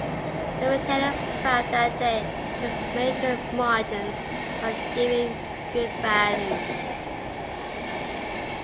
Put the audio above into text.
The retailers found that they could make good margins while giving good value.